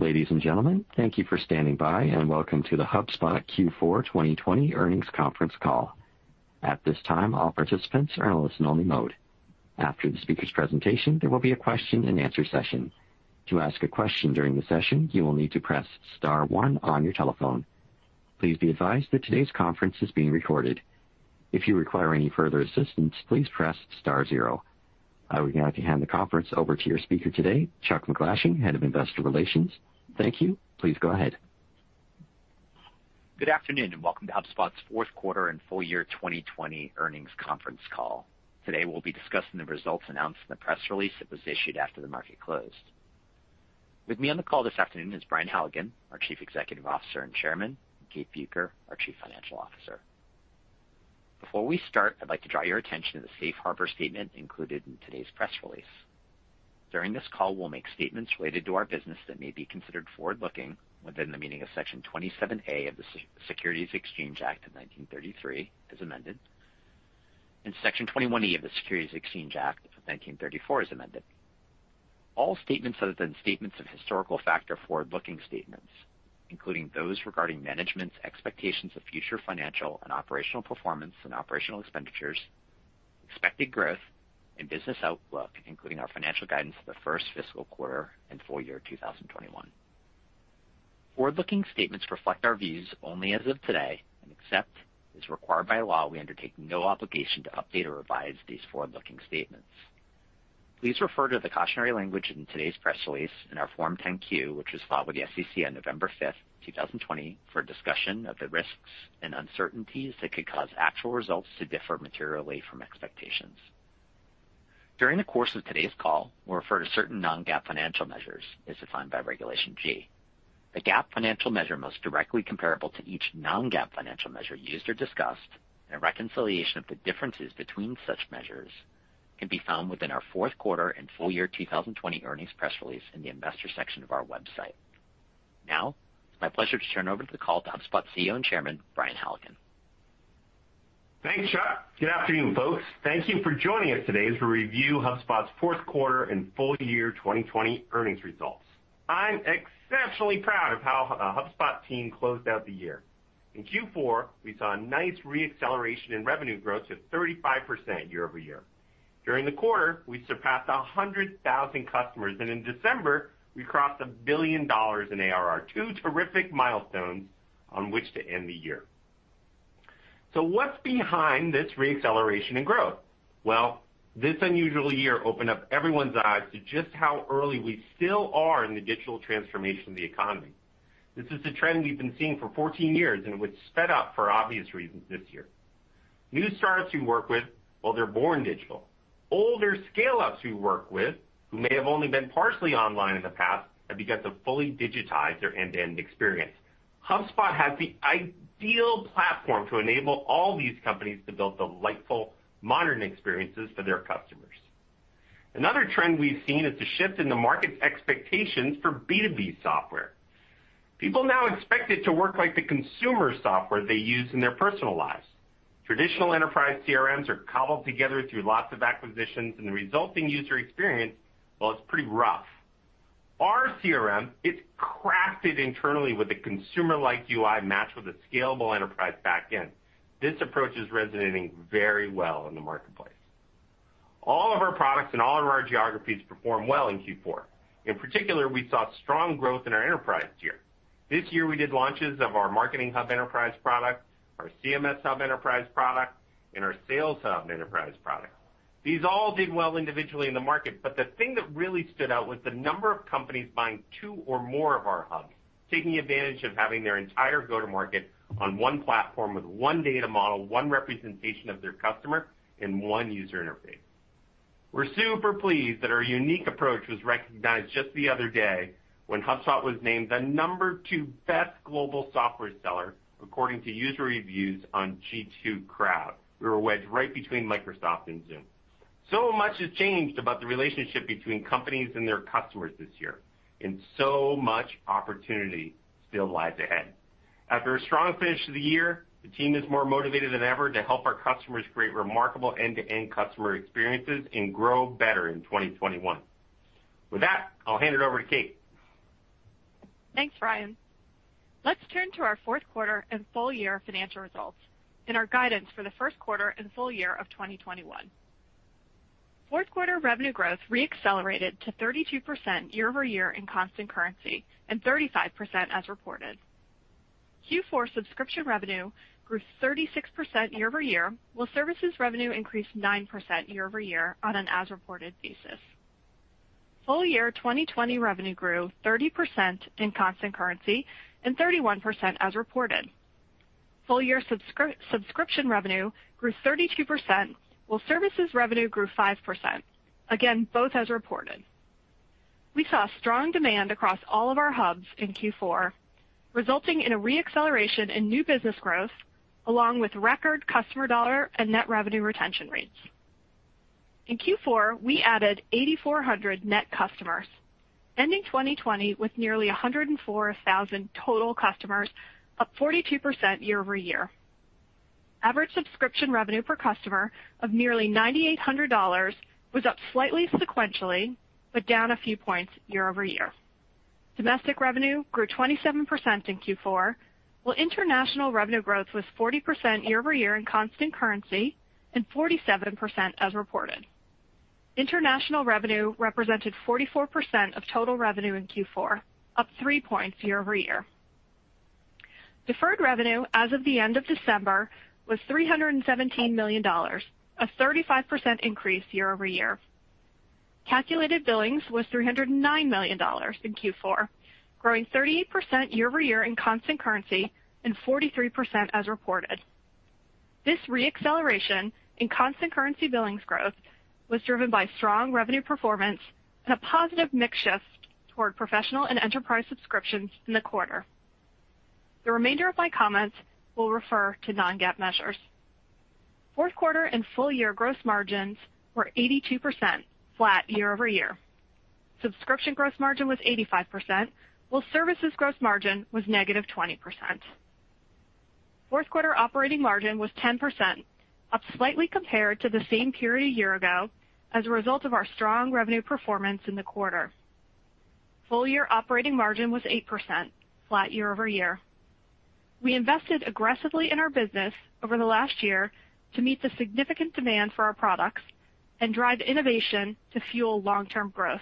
Ladies and gentlemen, thank you for standing by, and welcome to the HubSpot Q4 2020 earnings conference call. At this time, all participants are in listen only mode. After the speaker's presentation, there will be a question and answer session. To ask a question during the session, you will need to press star one on your telephone. Please be advised that today's conference is being recorded. If you require any further assistance, please press star zero. I would now like to hand the conference over to your speaker today, Chuck MacGlashing, Head of Investor Relations. Thank you. Please go ahead. Good afternoon and welcome to HubSpot's fourth quarter and full year 2020 earnings conference call. Today, we'll be discussing the results announced in the press release that was issued after the market closed. With me on the call this afternoon is Brian Halligan, our Chief Executive Officer and Chairman, and Kate Bueker, our Chief Financial Officer. Before we start, I'd like to draw your attention to the safe harbor statement included in today's press release. During this call, we'll make statements related to our business that may be considered forward-looking within the meaning of Section 27A of the Securities Exchange Act of 1933, as amended, and Section 21E of the Securities Exchange Act of 1934, as amended. All statements other than statements of historical fact are forward-looking statements, including those regarding management's expectations of future financial and operational performance and operational expenditures, expected growth, and business outlook, including our financial guidance for the first fiscal quarter and full year 2021. Forward-looking statements reflect our views only as of today, and except as required by law, we undertake no obligation to update or revise these forward-looking statements. Please refer to the cautionary language in today's press release in our Form 10-Q, which was filed with the SEC on November 5th, 2020, for a discussion of the risks and uncertainties that could cause actual results to differ materially from expectations. During the course of today's call, we'll refer to certain non-GAAP financial measures as defined by Regulation G. The GAAP financial measure most directly comparable to each non-GAAP financial measure used or discussed, and a reconciliation of the differences between such measures can be found within our fourth quarter and full year 2020 earnings press release in the investor section of our website. Now, it's my pleasure to turn over the call to HubSpot CEO and Chairman, Brian Halligan. Thanks, Chuck. Good afternoon, folks. Thank you for joining us today as we review HubSpot's fourth quarter and full year 2020 earnings results. I'm exceptionally proud of how the HubSpot team closed out the year. In Q4, we saw a nice re-acceleration in revenue growth of 35% year-over-year. During the quarter, we surpassed 100,000 customers, and in December, we crossed $1 billion in ARR. Two terrific milestones on which to end the year. What's behind this re-acceleration in growth? This unusual year opened up everyone's eyes to just how early we still are in the digital transformation of the economy. This is the trend we've been seeing for 14 years, and which sped up for obvious reasons this year. New startups we work with, well, they're born digital. Older scale-ups we work with, who may have only been partially online in the past, have begun to fully digitize their end-to-end experience. HubSpot has the ideal platform to enable all these companies to build delightful modern experiences for their customers. Another trend we've seen is the shift in the market's expectations for B2B software. People now expect it to work like the consumer software they use in their personal lives. Traditional enterprise CRMs are cobbled together through lots of acquisitions, and the resulting user experience, well, it's pretty rough. Our CRM, it's crafted internally with a consumer-like UI matched with a scalable enterprise back end. This approach is resonating very well in the marketplace. All of our products and all of our geographies performed well in Q4. In particular, we saw strong growth in our enterprise tier. This year, we did launches of our Marketing Hub Enterprise product, our CMS Hub Enterprise product, and our Sales Hub Enterprise product. These all did well individually in the market, but the thing that really stood out was the number of companies buying two or more of our hubs, taking advantage of having their entire go-to-market on one platform with one data model, one representation of their customer, and one user interface. We're super pleased that our unique approach was recognized just the other day when HubSpot was named the number two best global software seller according to user reviews on G2 Crowd. We were wedged right between Microsoft and Zoom. Much has changed about the relationship between companies and their customers this year, and so much opportunity still lies ahead. After a strong finish to the year, the team is more motivated than ever to help our customers create remarkable end-to-end customer experiences and grow better in 2021. With that, I'll hand it over to Kate. Thanks, Brian. Let's turn to our fourth quarter and full year financial results and our guidance for the first quarter and full year of 2021. Fourth quarter revenue growth re-accelerated to 32% year-over-year in constant currency, and 35% as reported. Q4 subscription revenue grew 36% year-over-year, while services revenue increased 9% year-over-year on an as reported basis. Full year 2020 revenue grew 30% in constant currency and 31% as reported. Full year subscription revenue grew 32%, while services revenue grew 5%. Again, both as reported. We saw strong demand across all of our hubs in Q4, resulting in a re-acceleration in new business growth, along with record customer dollar and net revenue retention rates. In Q4, we added 8,400 net customers, ending 2020 with nearly 104,000 total customers, up 42% year-over-year. Average subscription revenue per customer of nearly $9,800 was up slightly sequentially, but down a few points year-over-year. Domestic revenue grew 27% in Q4, while international revenue growth was 40% year-over-year in constant currency and 47% as reported. International revenue represented 44% of total revenue in Q4, up three points year-over-year. Deferred revenue as of the end of December was $317 million, a 35% increase year-over-year. Calculated billings was $309 million in Q4, growing 38% year-over-year in constant currency and 43% as reported. This re-acceleration in constant currency billings growth was driven by strong revenue performance and a positive mix shift toward professional and enterprise subscriptions in the quarter. The remainder of my comments will refer to non-GAAP measures. Fourth quarter and full year gross margins were 82%, flat year-over-year. Subscription gross margin was 85%, while services gross margin was negative 20%. Fourth quarter operating margin was 10%, up slightly compared to the same period a year ago as a result of our strong revenue performance in the quarter. Full year operating margin was 8%, flat year-over-year. We invested aggressively in our business over the last year to meet the significant demand for our products and drive innovation to fuel long-term growth.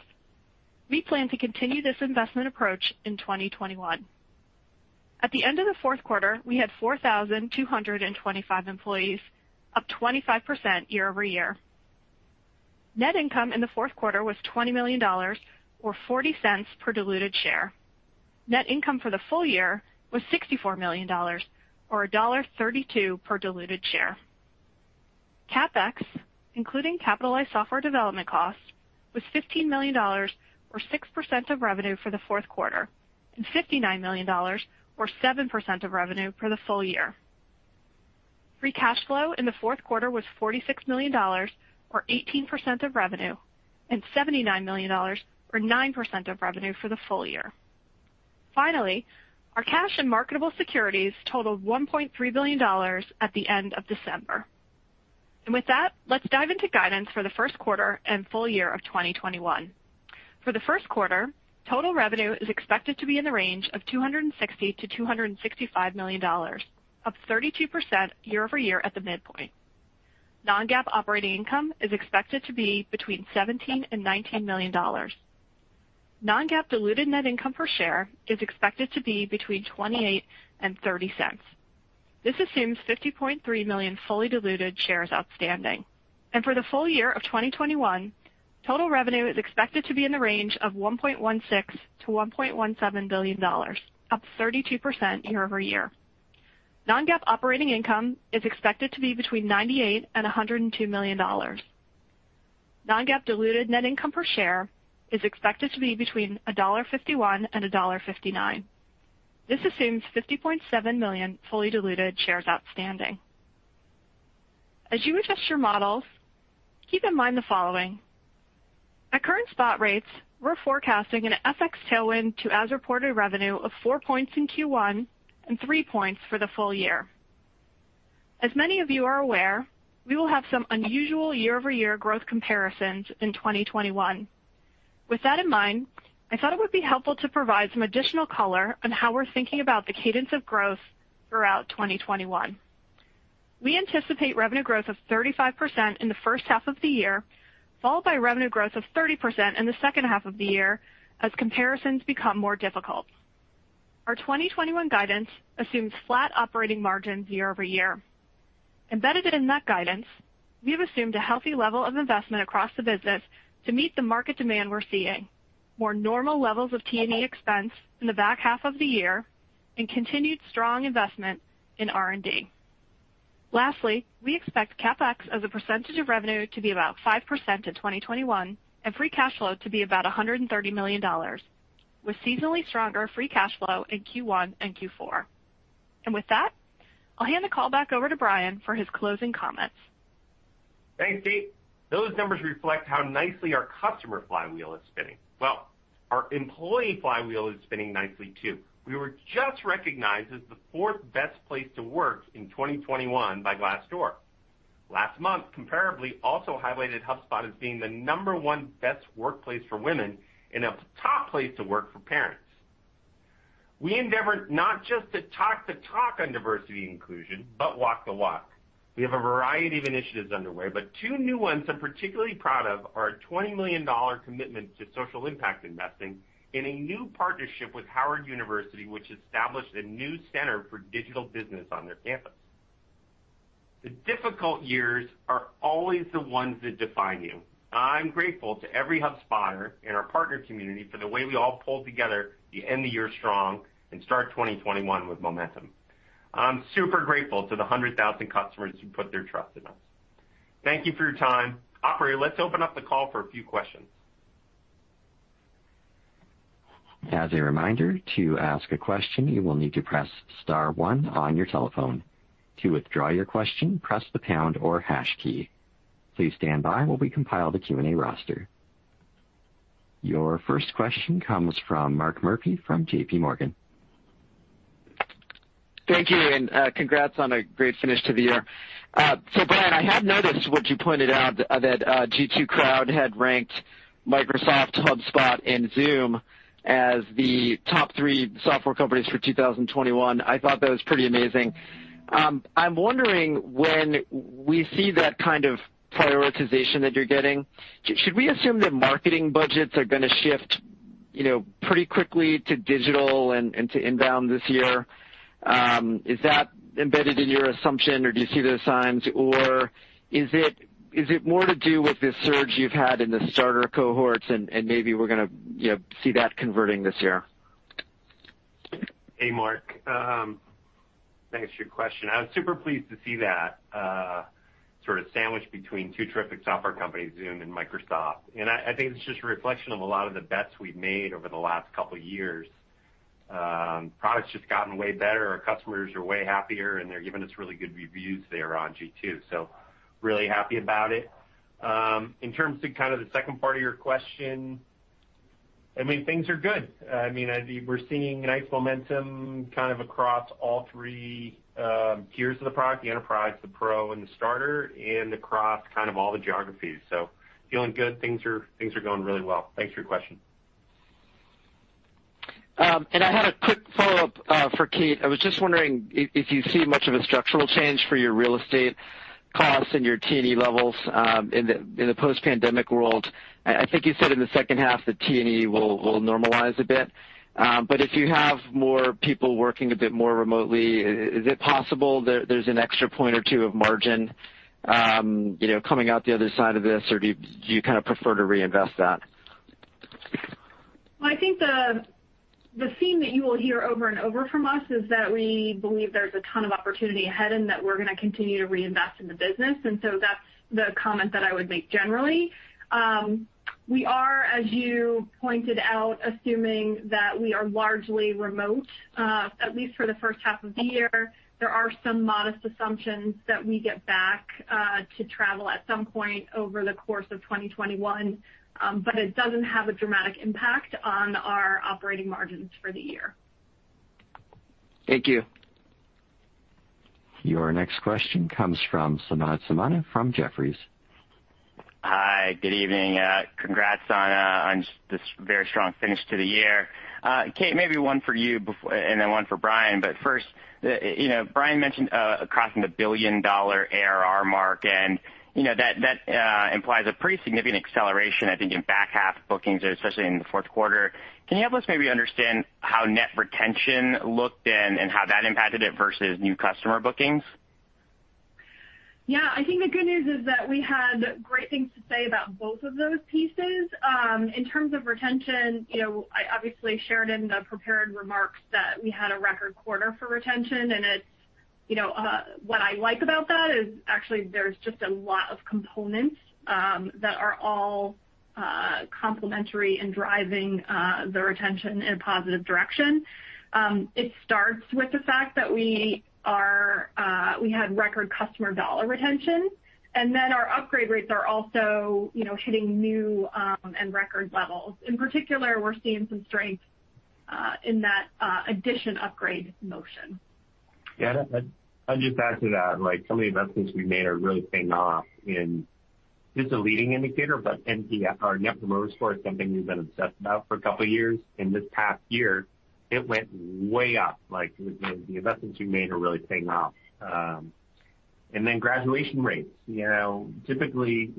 We plan to continue this investment approach in 2021. At the end of the fourth quarter, we had 4,225 employees, up 25% year-over-year. Net income in the fourth quarter was $20 million, or $0.40 per diluted share. Net income for the full year was $64 million, or $1.32 per diluted share. CapEx, including capitalized software development costs, was $15 million, or 6% of revenue for the fourth quarter, and $59 million, or 7% of revenue for the full year. Free cash flow in the fourth quarter was $46 million, or 18% of revenue, and $79 million, or 9% of revenue for the full year. Finally, our cash and marketable securities totaled $1.3 billion at the end of December. With that, let's dive into guidance for the first quarter and full year of 2021. For the first quarter, total revenue is expected to be in the range of $260 million-$265 million, up 32% year-over-year at the midpoint. Non-GAAP operating income is expected to be between $17 and $19 million. Non-GAAP diluted net income per share is expected to be between $0.28 and $0.30. This assumes 50.3 million fully diluted shares outstanding. For the full year of 2021, total revenue is expected to be in the range of $1.16 billion-$1.17 billion, up 32% year-over-year. Non-GAAP operating income is expected to be between $98 million and $102 million. Non-GAAP diluted net income per share is expected to be between $1.51 and $1.59. This assumes 50.7 million fully diluted shares outstanding. As you adjust your models, keep in mind the following. At current spot rates, we're forecasting an FX tailwind to as-reported revenue of four points in Q1 and three points for the full year. As many of you are aware, we will have some unusual year-over-year growth comparisons in 2021. With that in mind, I thought it would be helpful to provide some additional color on how we're thinking about the cadence of growth throughout 2021. We anticipate revenue growth of 35% in the first half of the year, followed by revenue growth of 30% in the second half of the year as comparisons become more difficult. Our 2021 guidance assumes flat operating margins year-over-year. Embedded in that guidance, we have assumed a healthy level of investment across the business to meet the market demand we're seeing, more normal levels of T&E expense in the back half of the year, and continued strong investment in R&D. Lastly, we expect CapEx as a percentage of revenue to be about 5% in 2021 and free cash flow to be about $130 million, with seasonally stronger free cash flow in Q1 and Q4. With that, I'll hand the call back over to Brian for his closing comments. Thanks, Kate. Those numbers reflect how nicely our customer flywheel is spinning. Well, our employee flywheel is spinning nicely too. We were just recognized as the fourth best place to work in 2021 by Glassdoor. Last month, Comparably also highlighted HubSpot as being the number one best workplace for women and a top place to work for parents. We endeavor not just to talk the talk on diversity and inclusion, but walk the walk. We have a variety of initiatives underway, but two new ones I'm particularly proud of are our $20 million commitment to social impact investing and a new partnership with Howard University, which established a new center for digital business on their campus. The difficult years are always the ones that define you. I'm grateful to every HubSpotter in our partner community for the way we all pulled together to end the year strong and start 2021 with momentum. I'm super grateful to the 100,000 customers who put their trust in us. Thank you for your time. Operator, let's open up the call for a few questions. As a reminder, to ask a question, you will need to press star one on your telephone. To withdraw your question, press the pound or hash key. Please stand by while we compile the Q&A roster. Your first question comes from Mark Murphy from JPMorgan. Thank you, congrats on a great finish to the year. Brian, I had noticed what you pointed out that G2 Crowd had ranked Microsoft, HubSpot, and Zoom as the top three software companies for 2021. I thought that was pretty amazing. I'm wondering when we see that kind of prioritization that you're getting, should we assume that marketing budgets are going to shift pretty quickly to digital and to inbound this year? Is that embedded in your assumption, or do you see those signs? Is it more to do with the surge you've had in the starter cohorts and maybe we're going to see that converting this year? Hey, Mark. Thanks for your question. I was super pleased to see that sandwiched between two terrific software companies, Zoom and Microsoft. I think it's just a reflection of a lot of the bets we've made over the last couple of years. The product's just gotten way better. Our customers are way happier, and they're giving us really good reviews there on G2. Really happy about it. In terms of the second part of your question, things are good. We're seeing nice momentum across all three tiers of the product, the enterprise, the pro, and the starter, and across all the geographies. Feeling good. Things are going really well. Thanks for your question. I had a quick follow-up for Kate. I was just wondering if you see much of a structural change for your real estate costs and your T&E levels in the post-pandemic world. I think you said in the second half that T&E will normalize a bit. If you have more people working a bit more remotely, is it possible there's an extra point or two of margin coming out the other side of this, or do you prefer to reinvest that? Well, I think the theme that you will hear over and over from us is that we believe there's a ton of opportunity ahead and that we're going to continue to reinvest in the business. That's the comment that I would make generally. We are, as you pointed out, assuming that we are largely remote, at least for the first half of the year. There are some modest assumptions that we get back to travel at some point over the course of 2021. It doesn't have a dramatic impact on our operating margins for the year. Thank you. Your next question comes from Samad Samana from Jefferies. Hi, good evening. Congrats on this very strong finish to the year. Kate, maybe one for you and then one for Brian. First, Brian mentioned crossing the billion-dollar ARR mark, and that implies a pretty significant acceleration, I think, in back-half bookings, especially in the fourth quarter. Can you help us maybe understand how net retention looked and how that impacted it versus new customer bookings? Yeah. I think the good news is that we had great things to say about both of those pieces. In terms of retention, I obviously shared in the prepared remarks that we had a record quarter for retention, and what I like about that is actually there's just a lot of components that are all complementary and driving the retention in a positive direction. It starts with the fact that we had record customer dollar retention, and then our upgrade rates are also hitting new and record levels. In particular, we're seeing some strength in that edition upgrade motion. Yeah, I'll just add to that. Some of the investments we made are really paying off, and this is a leading indicator, but our Net Promoter Score is something we've been obsessed about for a couple of years, and this past year, it went way up. The investments we made are really paying off. Graduation rates. Typically,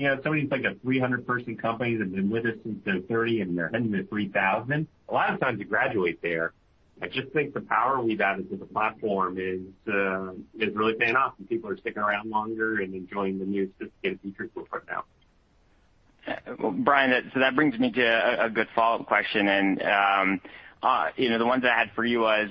somebody's like a 300-person company that's been with us since they're 30, and they're heading to 3,000, a lot of times you graduate there. I just think the power we've added to the platform is really paying off, and people are sticking around longer and enjoying the new sophisticated features we're putting out. Brian, that brings me to a good follow-up question, and the ones I had for you was,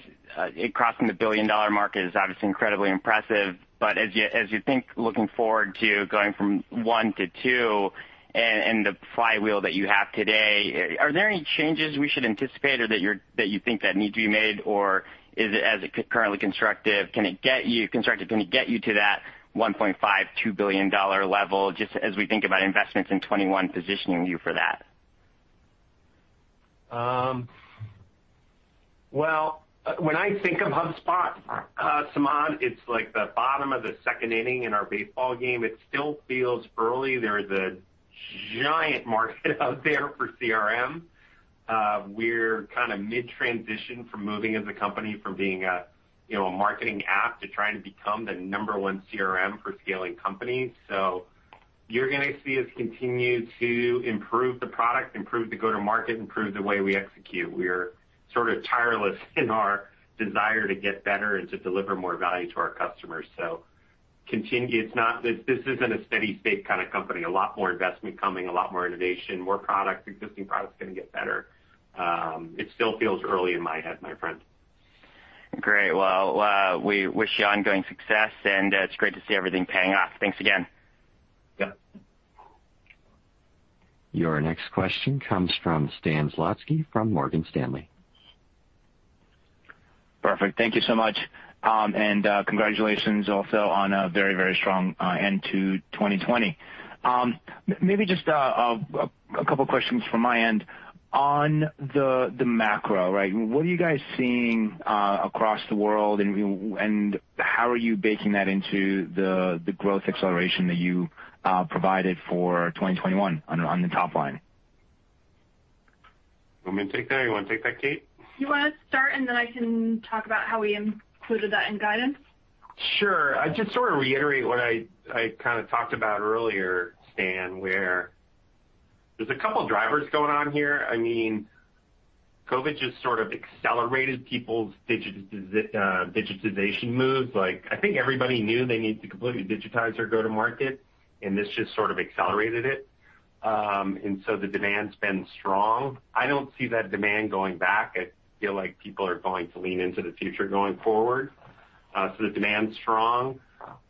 crossing the $1 billion market is obviously incredibly impressive, but as you think looking forward to going from one to two and the flywheel that you have today, are there any changes we should anticipate or that you think that need to be made, or is it currently constructive? Can it get you to that $1.5 billion, $2 billion level, just as we think about investments in 2021 positioning you for that? When I think of HubSpot, Samad, it's like the bottom of the second inning in our baseball game. It still feels early. There is a giant market out there for CRM. We're mid-transition from moving as a company from being a marketing app to trying to become the number one CRM for scaling companies. You're going to see us continue to improve the product, improve the go-to-market, improve the way we execute. We're tireless in our desire to get better and to deliver more value to our customers. This isn't a steady state kind of company. A lot more investment coming, a lot more innovation, more products, existing products going to get better. It still feels early in my head, my friend. Great. Well, we wish you ongoing success, and it's great to see everything paying off. Thanks again. Yep. Your next question comes from Stan Zlotsky from Morgan Stanley. Perfect. Thank you so much. Congratulations also on a very strong end to 2020. Maybe just a couple of questions from my end. On the macro, what are you guys seeing across the world, and how are you baking that into the growth acceleration that you provided for 2021 on the top line? You want me to take that, or you want to take that, Kate? You want to start, and then I can talk about how we included that in guidance? Sure. I just sort of reiterate what I kind of talked about earlier, Stan, where there's a couple of drivers going on here. COVID just sort of accelerated people's digitization moves. I think everybody knew they needed to completely digitize their go-to-market. This just sort of accelerated it. The demand's been strong. I don't see that demand going back. I feel like people are going to lean into the future going forward. The demand's strong.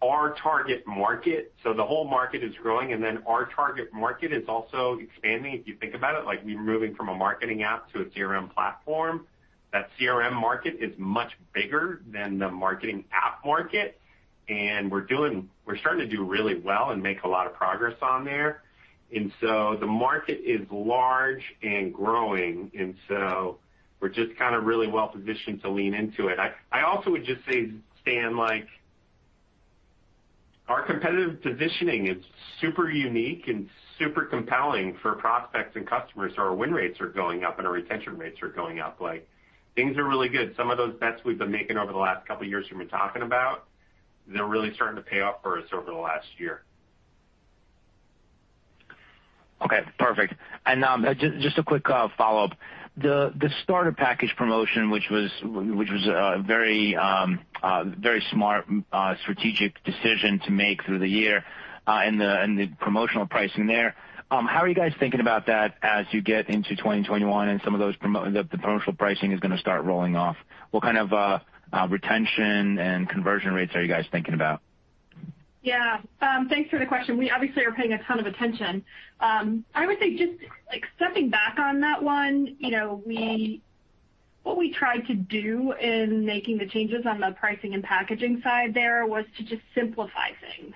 The whole market is growing. Our target market is also expanding, if you think about it, like we're moving from a marketing app to a CRM platform. That CRM market is much bigger than the marketing app market. We're starting to do really well and make a lot of progress on there. The market is large and growing, we're just kind of really well positioned to lean into it. I also would just say, Stan, our competitive positioning is super unique and super compelling for prospects and customers. Our win rates are going up, and our retention rates are going up. Things are really good. Some of those bets we've been making over the last couple of years we've been talking about, they're really starting to pay off for us over the last year. Okay, perfect. Just a quick follow-up. The starter package promotion, which was a very smart strategic decision to make through the year, and the promotional pricing there, how are you guys thinking about that as you get into 2021 and some of the promotional pricing is going to start rolling off? What kind of retention and conversion rates are you guys thinking about? Yeah. Thanks for the question. We obviously are paying a ton of attention. I would say, just stepping back on that one, what we tried to do in making the changes on the pricing and packaging side there was to just simplify things.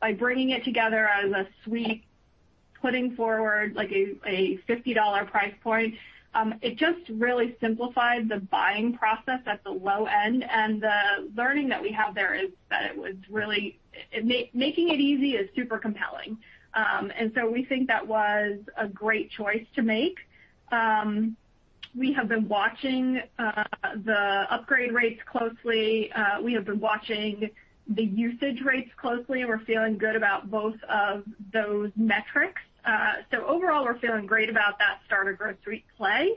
By bringing it together as a suite, putting forward a $50 price point, it just really simplified the buying process at the low end, and the learning that we have there is that making it easy is super compelling. We think that was a great choice to make. We have been watching the upgrade rates closely. We have been watching the usage rates closely, and we're feeling good about both of those metrics. Overall, we're feeling great about that Starter Growth Suite play.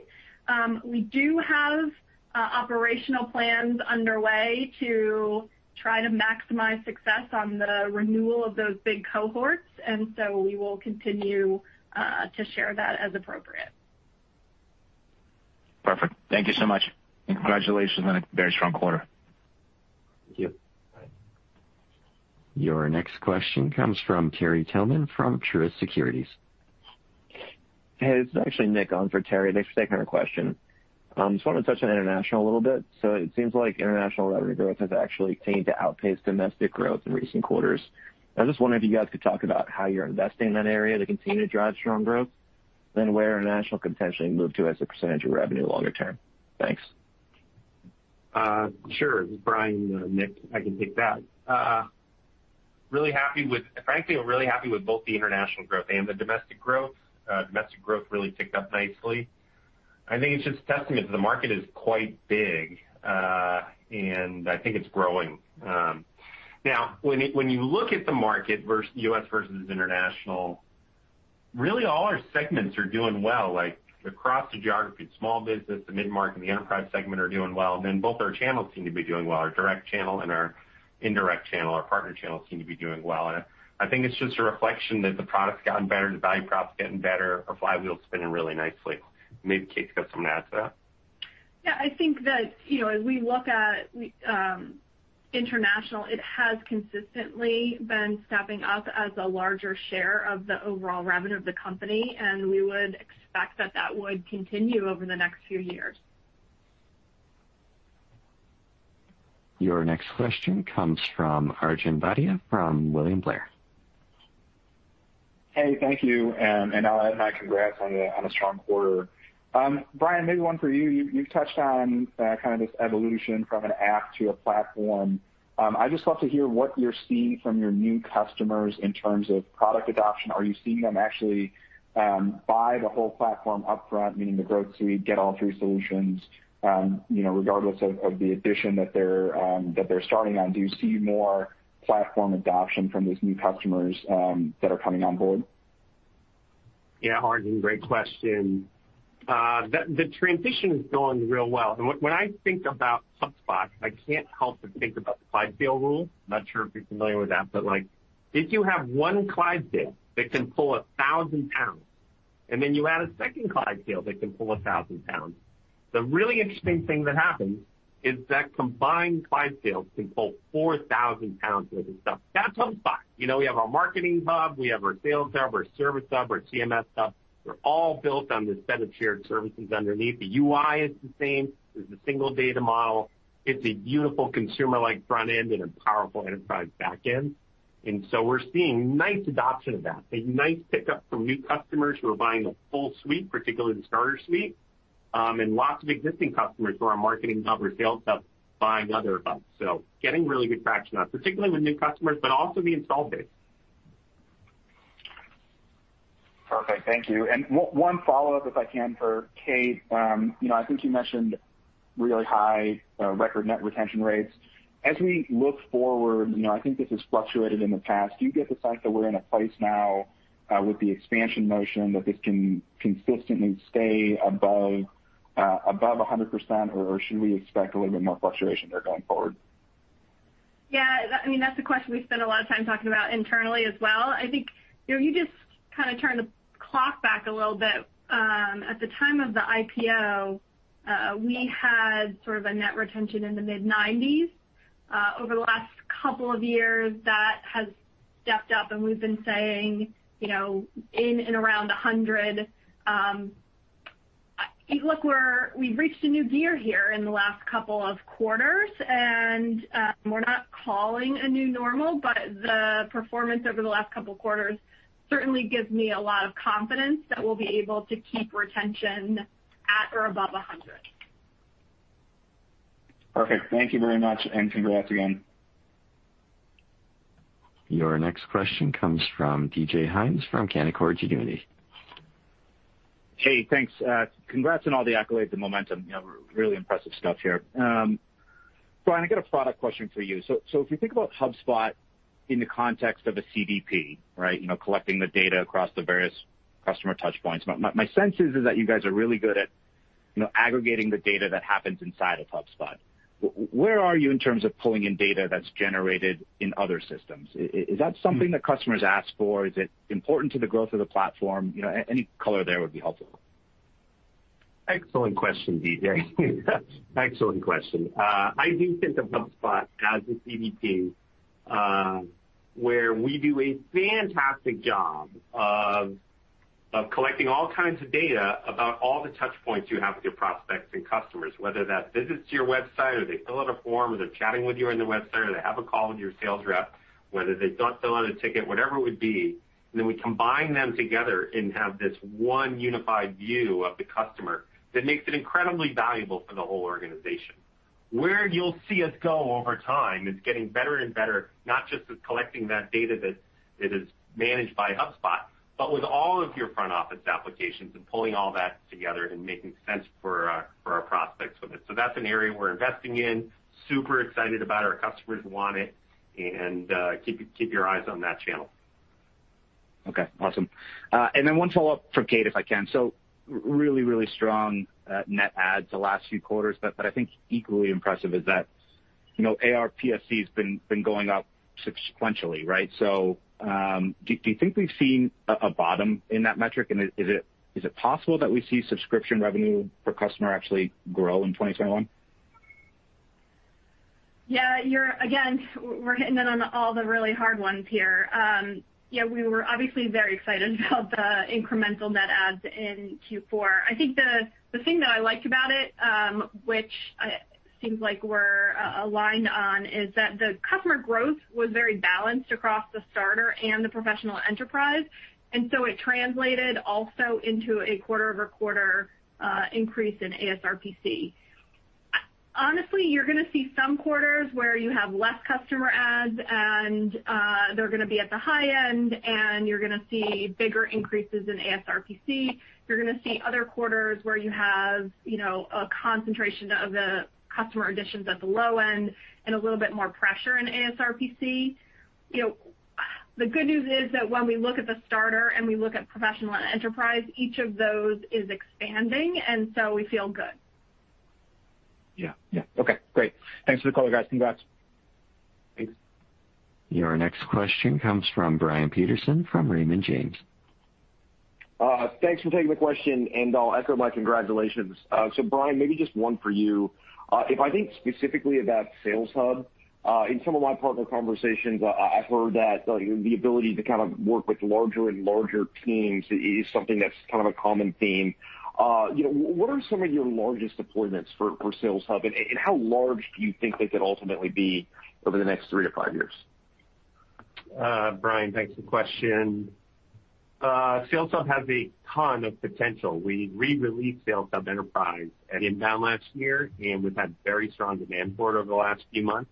We do have operational plans underway to try to maximize success on the renewal of those big cohorts, and so we will continue to share that as appropriate. Perfect. Thank you so much. Congratulations on a very strong quarter. Thank you. Bye. Your next question comes from Terry Tillman from Truist Securities. Hey, this is actually Nick on for Terry. Thanks for taking our question. Just wanted to touch on international a little bit. It seems like international revenue growth has actually continued to outpace domestic growth in recent quarters. I was just wondering if you guys could talk about how you're investing in that area to continue to drive strong growth, where international could potentially move to as a percentage of revenue longer term. Thanks. Sure. This is Brian, Nick. I can take that. Frankly, I'm really happy with both the international growth and the domestic growth. Domestic growth really ticked up nicely. I think it's just a testament to the market is quite big, and I think it's growing. Now, when you look at the market, U.S. versus international, really all our segments are doing well. Across the geography, small business, the mid-market, and the enterprise segment are doing well, and then both our channels seem to be doing well. Our direct channel and our indirect channel, our partner channels seem to be doing well, and I think it's just a reflection that the product's gotten better, the value prop's getting better. Our flywheel's spinning really nicely. Maybe Kate's got something to add to that. Yeah, I think that as we look at international, it has consistently been stepping up as a larger share of the overall revenue of the company, and we would expect that that would continue over the next few years. Your next question comes from Arjun Bhatia from William Blair. Hey, thank you, and I'll add my congrats on a strong quarter. Brian, maybe one for you. You've touched on kind of this evolution from an app to a platform. I'd just love to hear what you're seeing from your new customers in terms of product adoption. Are you seeing them actually buy the whole platform upfront, meaning the Growth Suite, get all three solutions, regardless of the edition that they're starting on? Do you see more platform adoption from these new customers that are coming on board? Arjun, great question. The transition is going real well. When I think about HubSpot, I can't help but think about the Clydesdale rule. I'm not sure if you're familiar with that. If you have one Clydesdale that can pull 1,000 pounds, then you add a second Clydesdale that can pull 1,000 pounds, the really interesting thing that happens is that combined Clydesdales can pull 4,000 pounds worth of stuff. That's HubSpot. We have our Marketing Hub, we have our Sales Hub, our Service Hub, our CMS Hub. They're all built on this set of shared services underneath. The UI is the same. There's a single data model. It's a beautiful consumer-like front end and a powerful enterprise back end. We're seeing nice adoption of that, a nice pickup from new customers who are buying a full suite, particularly the starter suite, and lots of existing customers who are Marketing Hub or Sales Hub buying other hubs. Getting really good traction on it, particularly with new customers, but also the installed base. Perfect. Thank you. One follow-up, if I can, for Kate. I think you mentioned really high record net retention rates. As we look forward, I think this has fluctuated in the past, do you get the sense that we're in a place now with the expansion motion that this can consistently stay above 100%, or should we expect a little bit more fluctuation there going forward? Yeah. That's the question we spend a lot of time talking about internally as well. I think, you just kind of turn the clock back a little bit. At the time of the IPO, we had sort of a net retention in the mid-90s. Over the last couple of years, that has stepped up and we've been staying in and around 100. I think we've reached a new gear here in the last couple of quarters. We're not calling a new normal, but the performance over the last couple of quarters certainly gives me a lot of confidence that we'll be able to keep retention at or above 100. Perfect. Thank you very much, and congrats again. Your next question comes from DJ Hynes from Canaccord Genuity. Hey, thanks. Congrats on all the accolades and momentum. Really impressive stuff here. Brian, I got a product question for you. If you think about HubSpot in the context of a CDP, right, collecting the data across the various customer touchpoints, my sense is that you guys are really good at aggregating the data that happens inside of HubSpot. Where are you in terms of pulling in data that's generated in other systems? Is that something that customers ask for? Is it important to the growth of the platform? Any color there would be helpful. Excellent question, DJ. Excellent question. I do think of HubSpot as a CDP, where we do a fantastic job of collecting all kinds of data about all the touchpoints you have with your prospects and customers, whether that's visits to your website, or they fill out a form, or they're chatting with you on the website, or they have a call with your sales rep, whether they fill out a ticket, whatever it would be. Then we combine them together and have this one unified view of the customer that makes it incredibly valuable for the whole organization. Where you'll see us go over time is getting better and better, not just with collecting that data that is managed by HubSpot, but with all of your front office applications and pulling all that together and making sense for our prospects with it. That's an area we're investing in, super excited about, our customers want it, and keep your eyes on that channel. Okay, awesome. One follow-up from Kate, if I can. Really strong net adds the last few quarters, but I think equally impressive is that ASRPC has been going up sequentially, right? Do you think we've seen a bottom in that metric? Is it possible that we see subscription revenue per customer actually grow in 2021? Yeah. Again, we're hitting in on all the really hard ones here. Yeah, we were obviously very excited about the incremental net adds in Q4. I think the thing that I liked about it, which seems like we're aligned on, is that the customer growth was very balanced across the starter and the professional enterprise, and so it translated also into a quarter-over-quarter increase in ASRPC. Honestly, you're going to see some quarters where you have less customer adds and they're going to be at the high end, and you're going to see bigger increases in ASRPC. You're going to see other quarters where you have a concentration of the customer additions at the low end and a little bit more pressure in ASRPC. The good news is that when we look at the starter and we look at professional and enterprise, each of those is expanding, and so we feel good. Yeah. Okay, great. Thanks for the color, guys. Congrats. Thanks. Your next question comes from Brian Peterson from Raymond James. Thanks for taking the question, and I'll echo my congratulations. Brian, maybe just one for you. If I think specifically about Sales Hub, in some of my partner conversations, I've heard that the ability to kind of work with larger and larger teams is something that's kind of a common theme. What are some of your largest deployments for Sales Hub, and how large do you think they could ultimately be over the next three to five years? Brian, thanks for the question. Sales Hub has a ton of potential. We re-released Sales Hub Enterprise at INBOUND last year. We've had very strong demand for it over the last few months.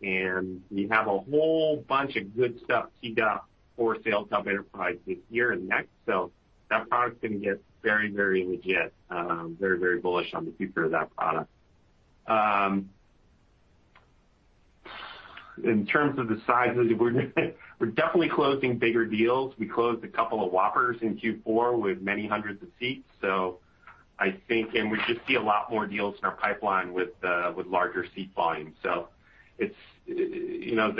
We have a whole bunch of good stuff teed up for Sales Hub Enterprise this year and next. That product's going to get very legit. Very bullish on the future of that product. In terms of the sizes, we're definitely closing bigger deals. We closed a couple of whoppers in Q4 with many hundreds of seats. We just see a lot more deals in our pipeline with larger seat volumes. The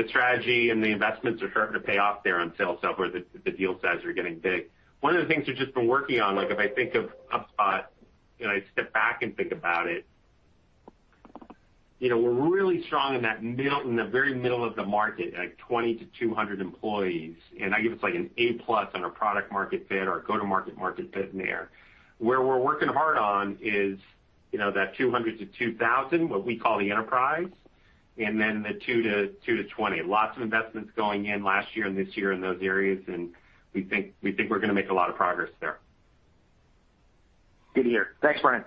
strategy and the investments are starting to pay off there on Sales Hub, where the deal sizes are getting big. One of the things we've just been working on, like if I think of HubSpot, I step back and think about it, we're really strong in the very middle of the market, like 20-200 employees, and I give us like an A+ on our product market fit, our go-to-market market fit in there. Where we're working hard on is that 200-2,000, what we call the enterprise, and then the 2-20. Lots of investments going in last year and this year in those areas. We think we're going to make a lot of progress there. Good to hear. Thanks, Brian.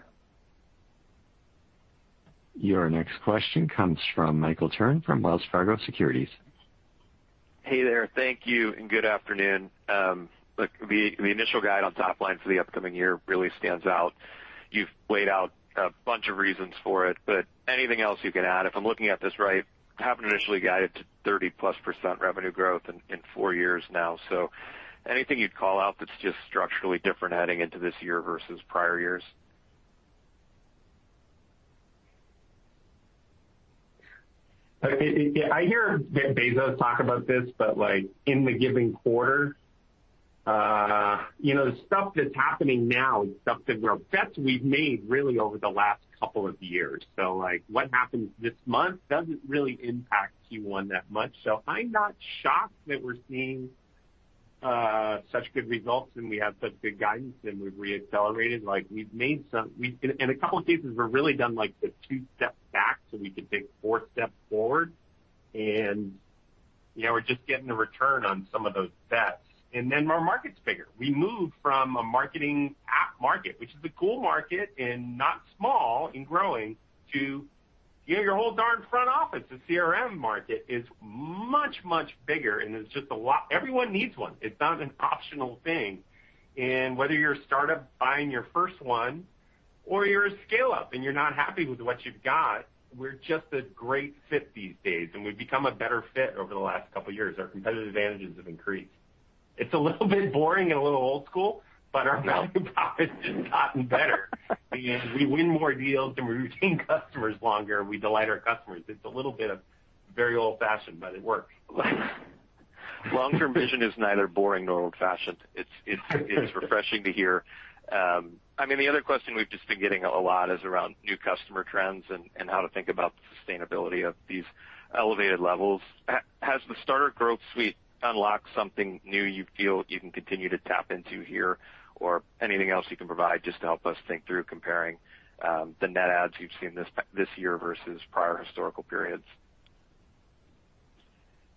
Your next question comes from Michael Turrin from Wells Fargo Securities. Hey there. Thank you and good afternoon. The initial guide on top line for the upcoming year really stands out. You've laid out a bunch of reasons for it, anything else you can add? If I'm looking at this right, haven't initially guided to 30%+ revenue growth in four years now. Anything you'd call out that's just structurally different heading into this year versus prior years? I hear Bezos talk about this, but in the given quarter, the stuff that's happening now is stuff that we've made really over the last couple of years. Like what happens this month doesn't really impact Q1 that much. I'm not shocked that we're seeing such good results, and we have such good guidance, and we've re-accelerated. In a couple of cases, we're really done, like, the two steps back so we could take four steps forward, and we're just getting a return on some of those bets. Our market's bigger. We moved from a marketing app market, which is a cool market, and not small and growing, to your whole darn front office. The CRM market is much, much bigger, and everyone needs one. It's not an optional thing. Whether you're a startup buying your first one, or you're a scale-up, and you're not happy with what you've got, we're just a great fit these days. We've become a better fit over the last couple of years. Our competitive advantages have increased. It's a little bit boring and a little old school. Our value proposition has gotten better. We win more deals. We retain customers longer. We delight our customers. It's a little bit of very old-fashioned. It works. Long-term vision is neither boring nor old-fashioned. It's refreshing to hear. The other question we've just been getting a lot is around new customer trends and how to think about the sustainability of these elevated levels. Has the Starter Growth Suite unlocked something new you feel you can continue to tap into here? Anything else you can provide just to help us think through comparing the net adds you've seen this year versus prior historical periods?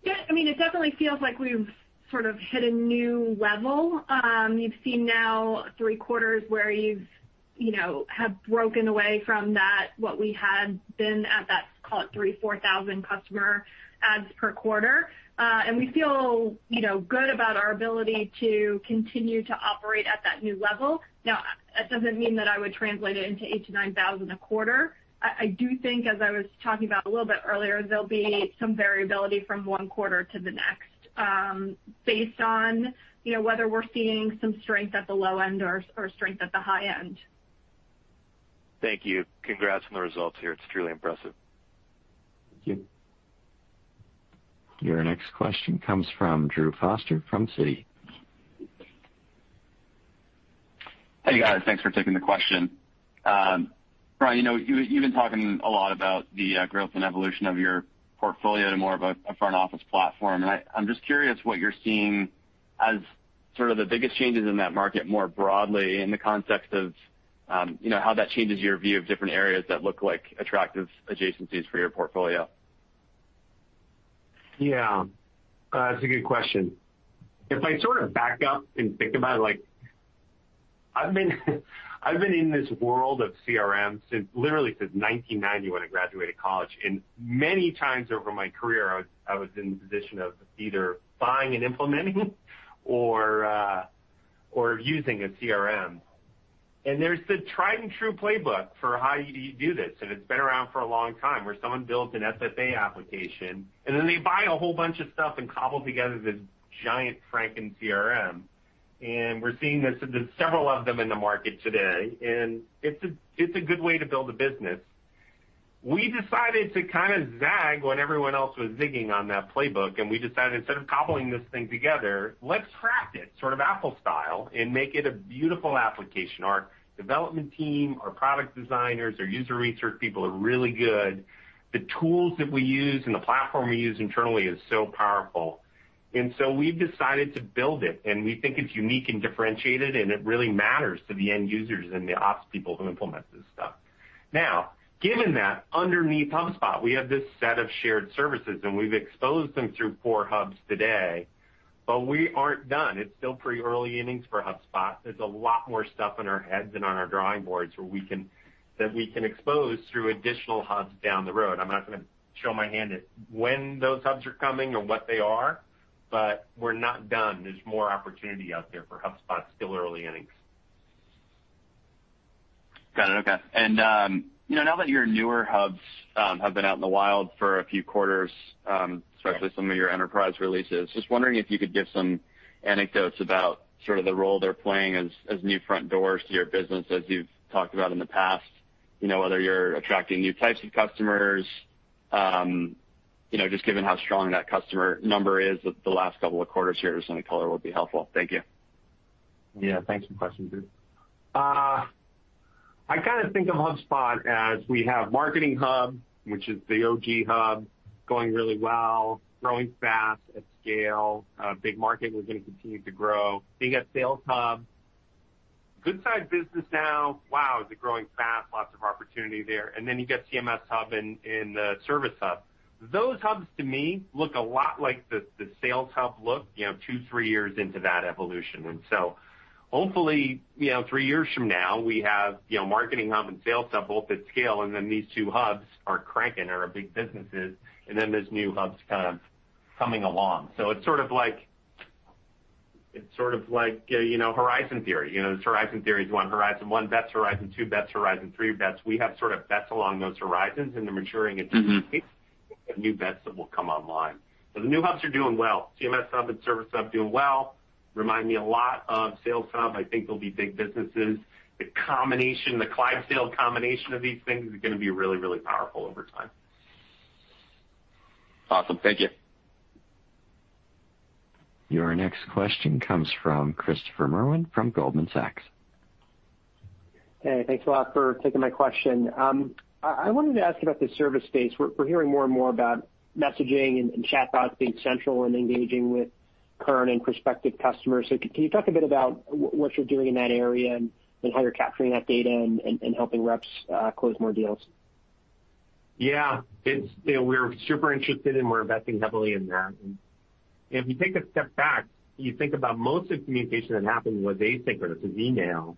Yeah, it definitely feels like we've sort of hit a new level. You've seen now three quarters where you've have broken away from that, what we had been at that, call it 3,000, 4,000 customer adds per quarter. We feel good about our ability to continue to operate at that new level. Now, that doesn't mean that I would translate it into 8,000-9,000 a quarter. I do think, as I was talking about a little bit earlier, there'll be some variability from one quarter to the next, based on whether we're seeing some strength at the low end or strength at the high end. Thank you. Congrats on the results here. It's truly impressive. Thank you. Your next question comes from Drew Foster from Citi. Hey, guys. Thanks for taking the question. Brian, you've been talking a lot about the growth and evolution of your portfolio to more of a front-office platform. I'm just curious what you're seeing as sort of the biggest changes in that market more broadly in the context of how that changes your view of different areas that look like attractive adjacencies for your portfolio. Yeah. That's a good question. If I sort of back up and think about it, I've been in this world of CRM literally since 1990, when I graduated college. Many times over my career, I was in the position of either buying and implementing or using a CRM. There's the tried and true playbook for how you do this, and it's been around for a long time, where someone builds an SFA application, and then they buy a whole bunch of stuff and cobble together this giant FrankenCRM. We're seeing there's several of them in the market today, and it's a good way to build a business. We decided to kind of zag when everyone else was zigging on that playbook, and we decided instead of cobbling this thing together, let's craft it, sort of Apple style, and make it a beautiful application. Our development team, our product designers, our user research people are really good. The tools that we use and the platform we use internally is so powerful. We've decided to build it, and we think it's unique and differentiated, and it really matters to the end users and the ops people who implement this stuff. Given that, underneath HubSpot, we have this set of shared services, and we've exposed them through four hubs today, but we aren't done. It's still pretty early innings for HubSpot. There's a lot more stuff in our heads and on our drawing boards that we can expose through additional hubs down the road. I'm not going to show my hand at when those hubs are coming or what they are, but we're not done. There's more opportunity out there for HubSpot. Still early innings. Got it. Okay. Now that your newer Hubs have been out in the wild for a few quarters, especially some of your Enterprise releases, just wondering if you could give some anecdotes about sort of the role they're playing as new front doors to your business, as you've talked about in the past, whether you're attracting new types of customers, just given how strong that customer number is the last couple of quarters here, some color will be helpful. Thank you. Yeah. Thanks for the question, Drew. I kind of think of HubSpot as we have Marketing Hub, which is the OG hub, going really well, growing fast at scale. A big market we're going to continue to grow. You got Sales Hub. Good-sized business now. Wow, is it growing fast. Lots of opportunity there. You get CMS Hub and the Service Hub. Those hubs to me look a lot like the Sales Hub looked two, three years into that evolution. Hopefully, three years from now, we have Marketing Hub and Sales Hub both at scale, and then these two hubs are cranking, are big businesses, and then there's new hubs kind of coming along. It's sort of like horizon theory. There's horizon theories, one horizon, one bets, horizon two bets, horizon three bets. We have sort of bets along those horizons, and they're maturing at different rates of new bets that will come online. The new hubs are doing well. CMS Hub and Service Hub doing well, remind me a lot of Sales Hub. I think they'll be big businesses. The Clydesdale combination of these things is going to be really powerful over time. Awesome. Thank you. Your next question comes from Christopher Merwin from Goldman Sachs. Hey, thanks a lot for taking my question. I wanted to ask about the service space. We're hearing more and more about messaging and chatbots being central in engaging with current and prospective customers. Can you talk a bit about what you're doing in that area and how you're capturing that data and helping reps close more deals? Yeah. We're super interested and we're investing heavily in that. If you take a step back, you think about most of the communication that happens with asynchronous is email,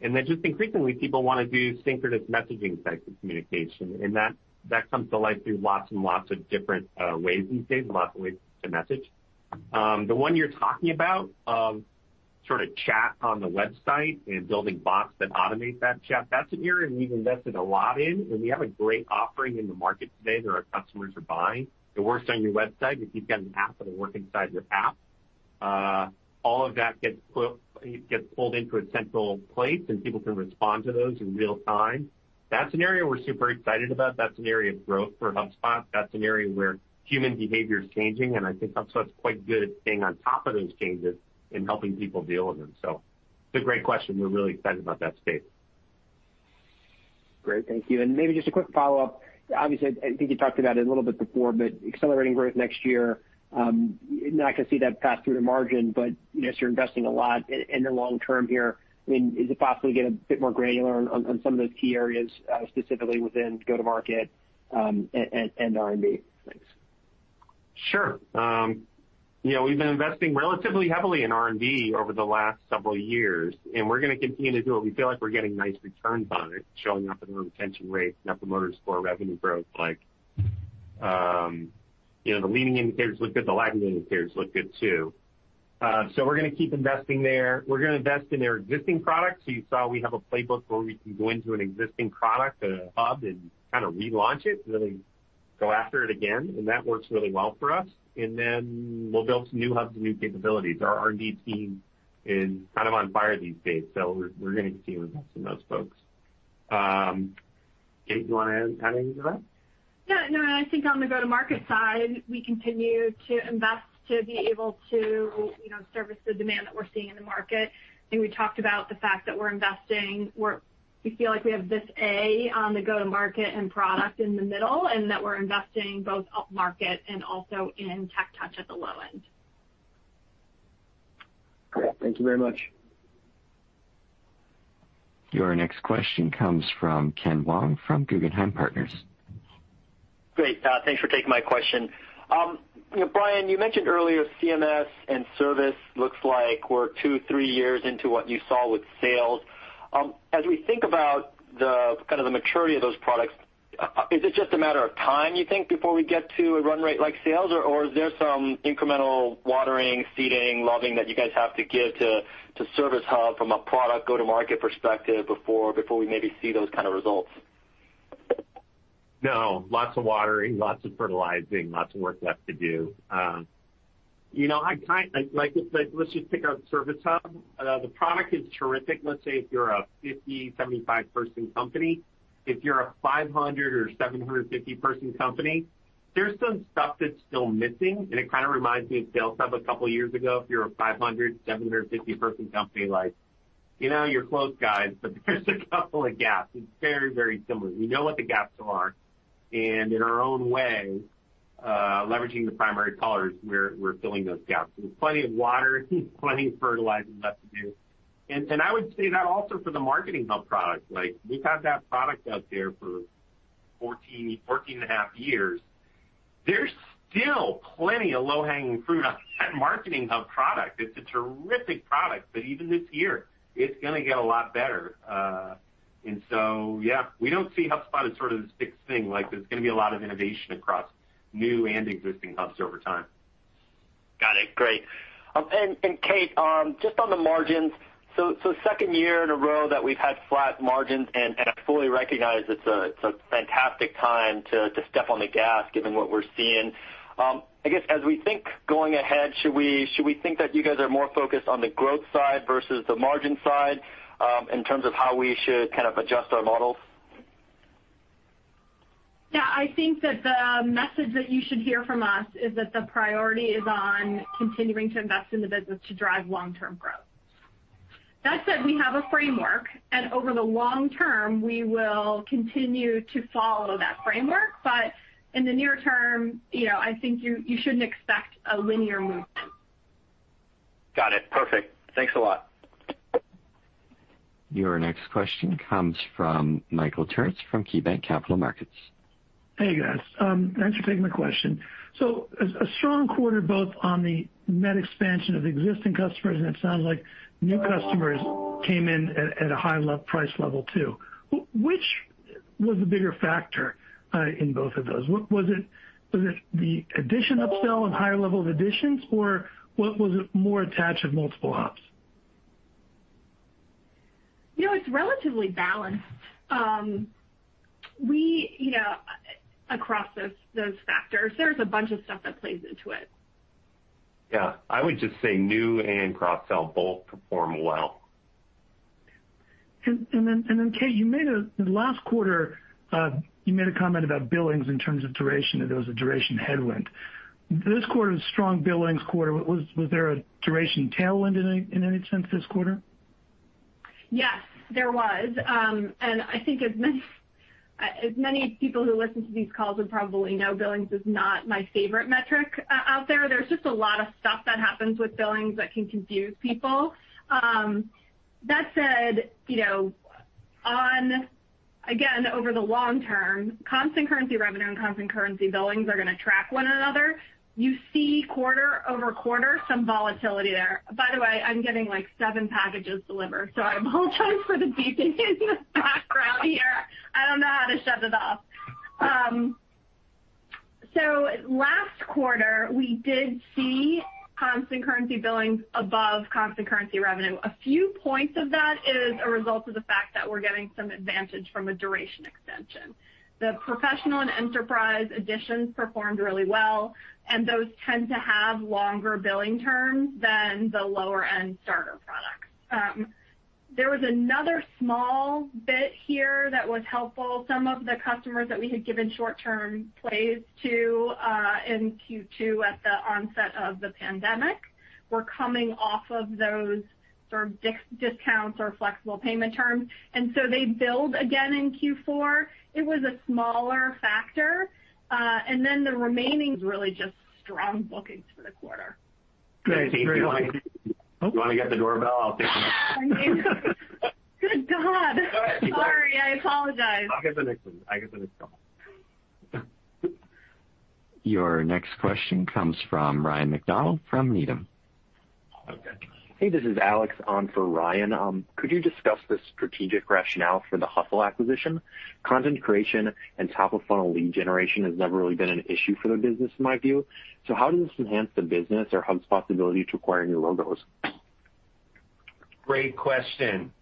then just increasingly people want to do synchronous messaging types of communication. That comes to life through lots and lots of different ways these days, lots of ways to message. The one you're talking about, sort of chat on the website and building bots that automate that chat, that's an area we've invested a lot in, and we have a great offering in the market today that our customers are buying. It works on your website. If you've got an app, it'll work inside your app. All of that gets pulled into a central place, and people can respond to those in real time. That's an area we're super excited about. That's an area of growth for HubSpot. That's an area where human behavior is changing, and I think HubSpot's quite good at staying on top of those changes and helping people deal with them. It's a great question. We're really excited about that space. Great. Thank you. Maybe just a quick follow-up. Obviously, I think you talked about it a little bit before, but accelerating growth next year, not going to see that pass through to margin, but yes, you're investing a lot in the long term here. Is it possible to get a bit more granular on some of those key areas, specifically within go-to market, and R&D? Thanks. Sure. We've been investing relatively heavily in R&D over the last several years, and we're going to continue to do it. We feel like we're getting nice returns on it, showing up in the retention rates, Net Promoter Score, revenue growth. The leading indicators look good, the lagging indicators look good too. We're going to keep investing there. We're going to invest in their existing products. You saw we have a playbook where we can go into an existing product, a hub, and kind of relaunch it, really go after it again, and that works really well for us. We'll build some new hubs and new capabilities. Our R&D team is kind of on fire these days, we're going to continue investing in those folks. Kate, do you want to add anything to that? No, I think on the go-to-market side, we continue to invest to be able to service the demand that we're seeing in the market. I think we talked about the fact that we feel like we have this A on the go-to-market and product in the middle, and that we're investing both up-market and also in tech-touch at the low end. Great. Thank you very much. Your next question comes from Ken Wong from Guggenheim Partners. Great. Thanks for taking my question. Brian, you mentioned earlier CMS and Service looks like we're two, three years into what you saw with Sales. We think about the kind of the maturity of those products, is it just a matter of time, you think, before we get to a run rate like Sales? Or is there some incremental watering, seeding, loving that you guys have to give to Service Hub from a product go-to-market perspective before we maybe see those kind of results? No, lots of watering, lots of fertilizing, lots of work left to do. Let's just pick out Service Hub. The product is terrific, let's say if you're a 50, 75-person company. If you're a 500 or 750-person company, there's some stuff that's still missing, and it kind of reminds me of Sales Hub a couple of years ago. If you're a 500, 750-person company, you're close, guys, but there's a couple of gaps. It's very similar. We know what the gaps are, and in our own way, leveraging the primary colors, we're filling those gaps. There's plenty of water, plenty of fertilizing left to do. I would say that also for the Marketing Hub product. We've had that product out there for 14 and a half years. There's still plenty of low-hanging fruit on that Marketing Hub product. It's a terrific product. Even this year, it's going to get a lot better. Yeah, we don't see HubSpot as sort of this fixed thing. There's going to be a lot of innovation across new and existing hubs over time. Got it. Great. Kate, just on the margins, so second year in a row that we've had flat margins, and I fully recognize it's a fantastic time to step on the gas given what we're seeing. I guess, as we think going ahead, should we think that you guys are more focused on the growth side versus the margin side, in terms of how we should kind of adjust our models? Yeah, I think that the message that you should hear from us is that the priority is on continuing to invest in the business to drive long-term growth. That said, we have a framework. Over the long term, we will continue to follow that framework. In the near term, I think you shouldn't expect a linear movement. Got it. Perfect. Thanks a lot. Your next question comes from Michael Turits from KeyBanc Capital Markets. Hey, guys. Thanks for taking my question. A strong quarter both on the net expansion of existing customers, and it sounds like new customers came in at a high price level too. Which was the bigger factor, in both of those? Was it the edition upsell and higher level of editions, or was it more attach of multiple hubs? It's relatively balanced. Across those factors, there's a bunch of stuff that plays into it. Yeah. I would just say new and cross-sell both perform well. Kate, last quarter, you made a comment about billings in terms of duration, that there was a duration headwind. This quarter's a strong billings quarter. Was there a duration tailwind in any sense this quarter? Yes. There was. I think as many people who listen to these calls would probably know, billings is not my favorite metric out there. There's just a lot of stuff that happens with billings that can confuse people. That said, again, over the long term, constant currency revenue and constant currency billings are going to track one another. You see quarter-over-quarter, some volatility there. By the way, I'm getting seven packages delivered, so I apologize for the beeping in the background here. I don't know how to shut it off. Last quarter, we did see constant currency billings above constant currency revenue. A few points of that is a result of the fact that we're getting some advantage from a duration extension. The professional and enterprise editions performed really well, and those tend to have longer billing terms than the lower-end starter products. There was another small bit here that was helpful. Some of the customers that we had given short-term plays to, in Q2 at the onset of the pandemic, were coming off of those sort of discounts or flexible payment terms. They billed again in Q4. It was a smaller factor. The remaining is really just strong bookings for the quarter. Great. Kate, do you want to get the doorbell? I'll take the next one. Good God, sorry. I apologize. I'll get the next one. Your next question comes from Ryan MacDonald from Needham. Okay. Hey, this is Alex on for Ryan. Could you discuss the strategic rationale for The Hustle acquisition? Content creation and top-of-funnel lead generation has never really been an issue for the business, in my view. How does this enhance the business or HubSpot's ability to acquire new logos? Great question,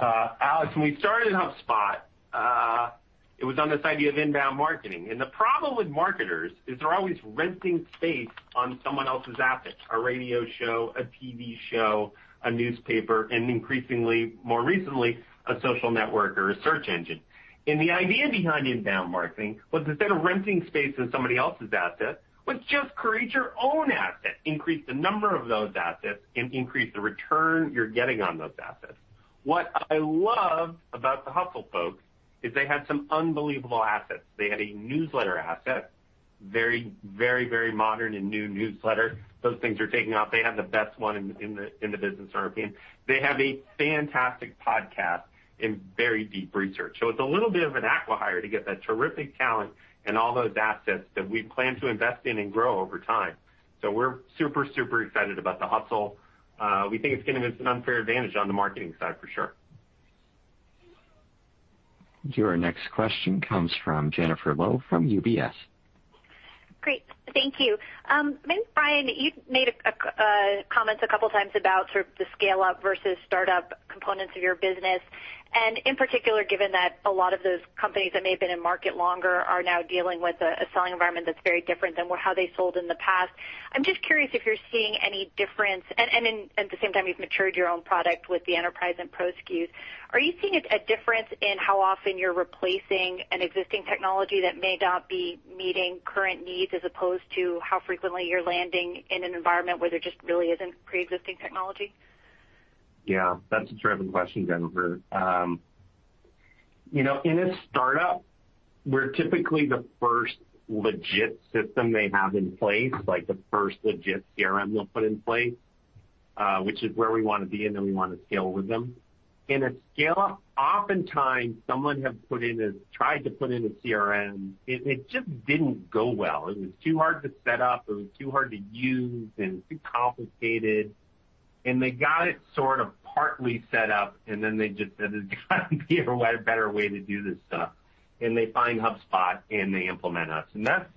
Alex. When we started HubSpot, it was on this idea of inbound marketing, the problem with marketers is they're always renting space on someone else's asset, a radio show, a TV show, a newspaper, and increasingly more recently, a social network or a search engine. The idea behind inbound marketing was instead of renting space on somebody else's asset, let's just create your own asset, increase the number of those assets, and increase the return you're getting on those assets. What I love about The Hustle folks is they had some unbelievable assets. They had a newsletter asset, very modern and new newsletter. Those things are taking off. They have the best one in the business right now. They have a fantastic podcast and very deep research. It's a little bit of an acquihire to get that terrific talent and all those assets that we plan to invest in and grow over time. We're super excited about The Hustle. We think it's going to give us an unfair advantage on the marketing side for sure. Your next question comes from Jennifer Lowe from UBS. Great. Thank you. Brian, you made comments a couple times about sort of the scale-up versus startup components of your business, and in particular, given that a lot of those companies that may have been in market longer are now dealing with a selling environment that's very different than how they sold in the past. I'm just curious if you're seeing any difference, and at the same time, you've matured your own product with the enterprise and pro SKUs. Are you seeing a difference in how often you're replacing an existing technology that may not be meeting current needs, as opposed to how frequently you're landing in an environment where there just really isn't pre-existing technology? Yeah. That's a terrific question, Jennifer. In a startup, we're typically the first legit system they have in place, like the first legit CRM they'll put in place, which is where we want to be, and then we want to scale with them. In a scale-up, oftentimes someone has tried to put in a CRM, and it just didn't go well. It was too hard to set up, or it was too hard to use, and it was too complicated. They got it sort of partly set up, and then they just said, "There's got to be a better way to do this stuff." They find HubSpot, and they implement us, and that's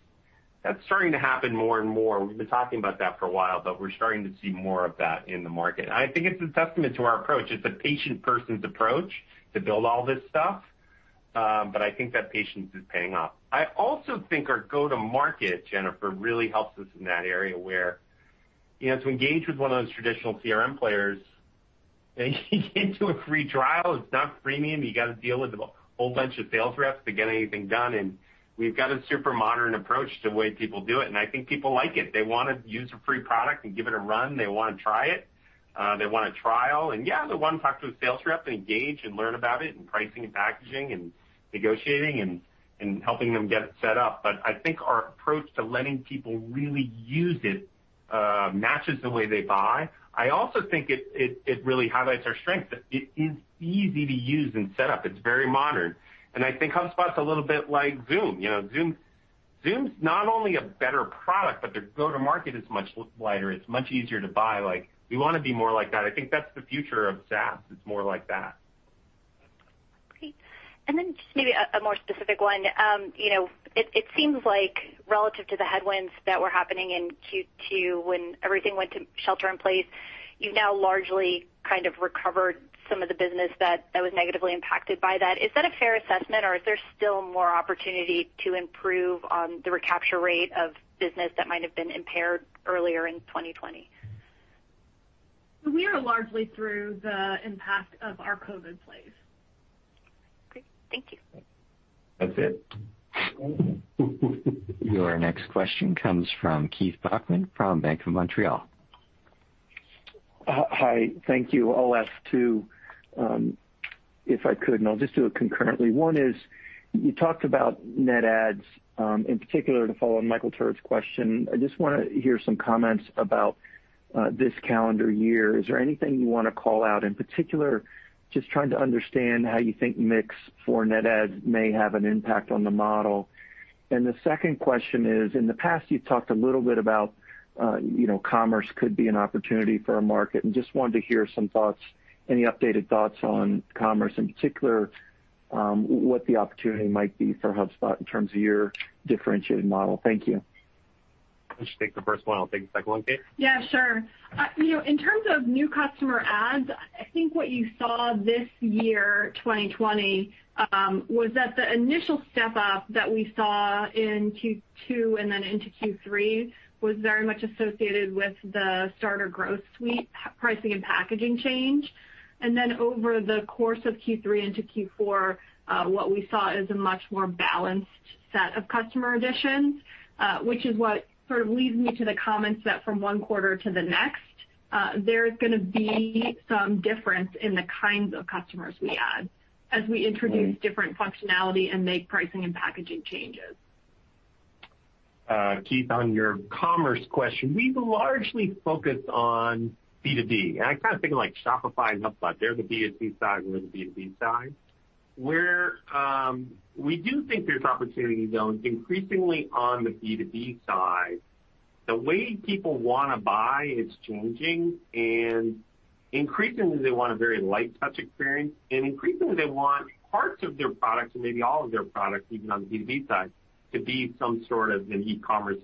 starting to happen more and more. We've been talking about that for a while, but we're starting to see more of that in the market. I think it's a testament to our approach. It's a patient person's approach to build all this stuff, but I think that patience is paying off. I also think our go-to-market, Jennifer, really helps us in that area where to engage with one of those traditional CRM players and you get into a free trial, it's not freemium. You got to deal with a whole bunch of sales reps to get anything done, and we've got a super modern approach to the way people do it, and I think people like it. They want to use a free product and give it a run. They want to try it. They want a trial, and yeah, they want to talk to a sales rep and engage and learn about it and pricing and packaging and negotiating and helping them get it set up. I think our approach to letting people really use it matches the way they buy. I also think it really highlights our strength, that it is easy to use and set up. It's very modern. I think HubSpot's a little bit like Zoom. Zoom's not only a better product, but their go-to-market is much lighter. It's much easier to buy. We want to be more like that. I think that's the future of SaaS. It's more like that. Okay. Just maybe a more specific one. It seems like relative to the headwinds that were happening in Q2 when everything went to shelter in place, you've now largely kind of recovered some of the business that was negatively impacted by that. Is that a fair assessment, or is there still more opportunity to improve on the recapture rate of business that might have been impaired earlier in 2020? We are largely through the impact of our COVID plays. Okay. Thank you. That's it. Your next question comes from Keith Bachman from BMO. Hi. Thank you. I'll ask two, if I could, and I'll just do it concurrently. One is, you talked about net adds, in particular to follow on Michael Turits' question. I just want to hear some comments about this calendar year. Is there anything you want to call out in particular? Just trying to understand how you think mix for net adds may have an impact on the model. The second question is, in the past, you've talked a little bit about commerce could be an opportunity for a market, and just wanted to hear some thoughts, any updated thoughts on commerce in particular, what the opportunity might be for HubSpot in terms of your differentiated model. Thank you. Why don't you take the first one? I'll take the second one, Kate. Sure. In terms of new customer adds, I think what you saw this year, 2020, was that the initial step-up that we saw in Q2 and then into Q3 was very much associated with the Starter Growth Suite pricing and packaging change. Over the course of Q3 into Q4, what we saw is a much more balanced set of customer additions, which is what sort of leads me to the comments that from one quarter to the next, there's going to be some difference in the kinds of customers we add as we introduce different functionality and make pricing and packaging changes. Keith, on your commerce question, we've largely focused on B2B. I kind of think of Shopify and HubSpot. They're the B2C side, and we're the B2B side. We do think there's opportunity, though, increasingly on the B2B side. The way people want to buy, it's changing, and increasingly, they want a very light touch experience. Increasingly, they want parts of their products and maybe all of their products, even on the B2B side, to be some sort of an e-commerce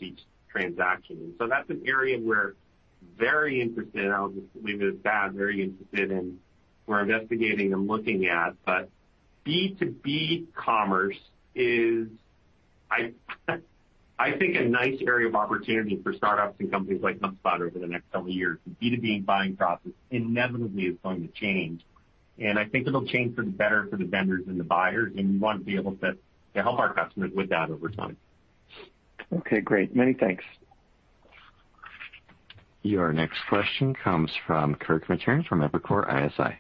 transaction. That's an area we're very interested, and I'll just leave it at that, very interested in. We're investigating and looking at. B2B commerce is, I think, a nice area of opportunity for startups and companies like HubSpot over the next several years. The B2B buying process inevitably is going to change, and I think it'll change for the better for the vendors and the buyers, and we want to be able to help our customers with that over time. Okay, great. Many thanks. Your next question comes from Kirk Materne from Evercore ISI.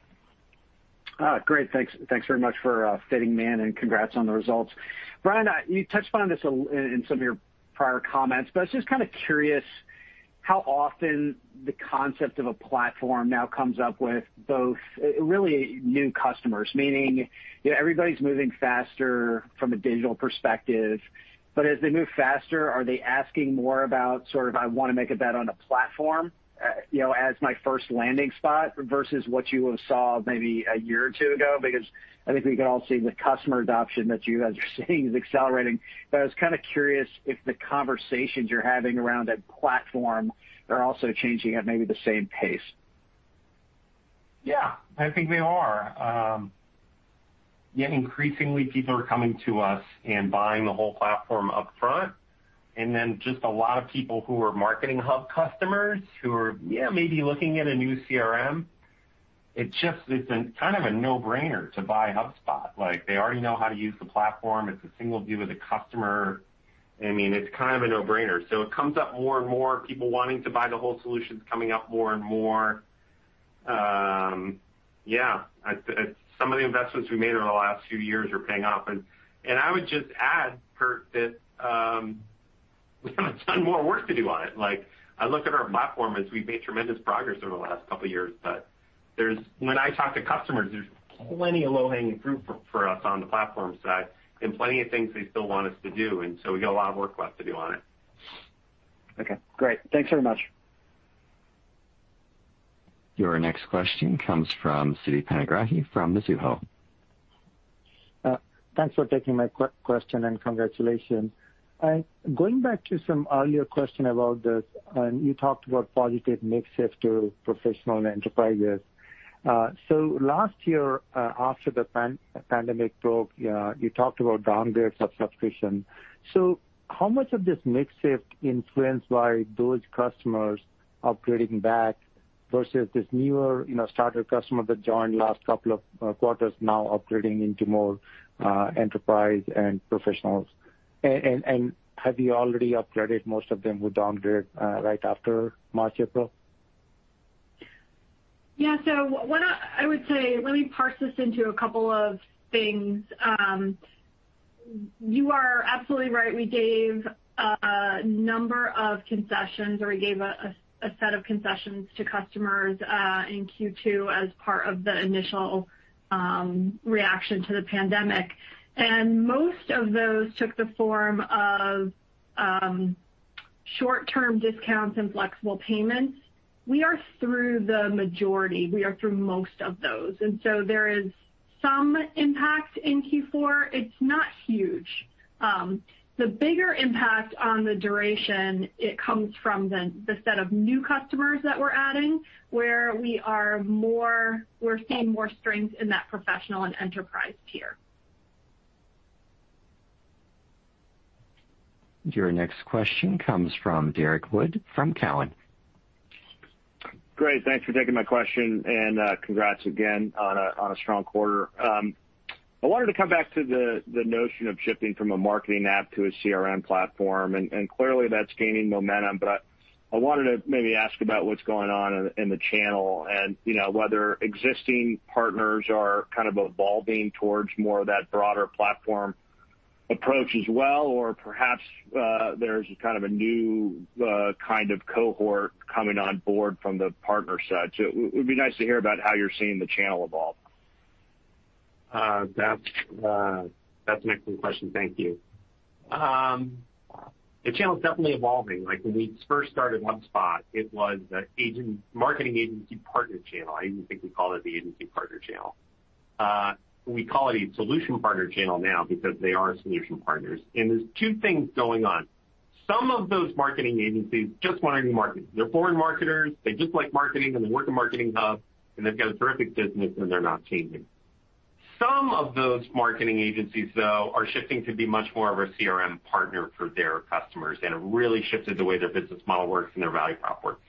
Great. Thanks very much for fitting me in. Congrats on the results. Brian, you touched upon this in some of your prior comments. I was just kind of curious how often the concept of a platform now comes up with both, really new customers, meaning everybody's moving faster from a digital perspective. As they move faster, are they asking more about sort of, I want to make a bet on a platform as my first landing spot versus what you have saw maybe a year or two ago? I think we can all see the customer adoption that you guys are seeing is accelerating. I was kind of curious if the conversations you're having around that platform are also changing at maybe the same pace. I think they are. Increasingly, people are coming to us and buying the whole platform up front, just a lot of people who are Marketing Hub customers who are maybe looking at a new CRM. It's kind of a no-brainer to buy HubSpot. They already know how to use the platform. It's a single view of the customer. It's kind of a no-brainer. It comes up more and more, people wanting to buy the whole solutions coming up more and more. Some of the investments we made over the last few years are paying off. I would just add, Kirk, that we have a ton more work to do on it. I look at our platform as we've made tremendous progress over the last couple of years. When I talk to customers, there's plenty of low-hanging fruit for us on the platform side and plenty of things they still want us to do. We got a lot of work left to do on it. Okay, great. Thanks very much. Your next question comes from Siti Panigrahi from Mizuho. Thanks for taking my question, and congratulations. Going back to some earlier question about this, you talked about positive mix shift to Professional and Enterprise. Last year, after the pandemic broke, you talked about downgrades of subscription. How much of this mix shift influenced by those customers upgrading back versus this newer starter customer that joined last couple of quarters now upgrading into more Enterprise and Professional? Have you already upgraded most of them who downgraded right after March, April? I would say, let me parse this into a couple of things. You are absolutely right. We gave a number of concessions, or we gave a set of concessions to customers in Q2 as part of the initial reaction to the pandemic. Most of those took the form of short-term discounts and flexible payments. We are through the majority. We are through most of those, there is some impact in Q4. It's not huge. The bigger impact on the duration, it comes from the set of new customers that we're adding, where we're seeing more strength in that professional and enterprise tier. Your next question comes from Derrick Wood, from Cowen. Great. Thanks for taking my question and congrats again on a strong quarter. I wanted to come back to the notion of shifting from a marketing app to a CRM platform, and clearly that's gaining momentum, but I wanted to maybe ask about what's going on in the channel and whether existing partners are kind of evolving towards more of that broader platform approach as well, or perhaps there's a new kind of cohort coming on board from the partner side. It would be nice to hear about how you're seeing the channel evolve. That's an excellent question. Thank you. The channel's definitely evolving. When we first started HubSpot, it was a marketing agency partner channel. I even think we called it the agency partner channel. We call it a solution partner channel now because they are solution partners. There's two things going on. Some of those marketing agencies just want to do marketing. They're born marketers, they just like marketing, and they work in Marketing Hub, and they've got a terrific business and they're not changing. Some of those marketing agencies, though, are shifting to be much more of a CRM partner for their customers and have really shifted the way their business model works and their value prop works.